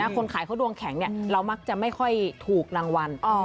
คนขายเขาดวงแข็งเรามักจะไม่ค่อยถูกรางวัล